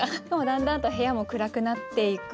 だんだんと部屋も暗くなっていく。